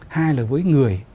hai là với người